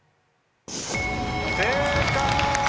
正解！